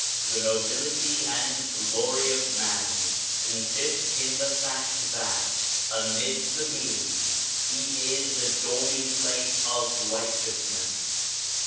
The nobility and glory of man consist in the fact that, amidst the beings, he is the dawning place of righteousness.